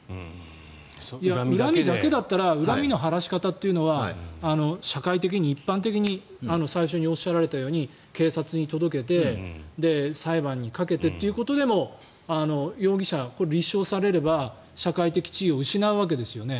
恨みだけだったら恨みの晴らし方というのは社会的に、一般的に最初におっしゃられたように警察に届けて裁判にかけてということでも容疑者、立証されれば社会的地位を失うわけですよね。